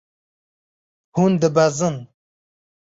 Hûn dibezin.